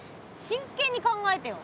真剣に考えてよ！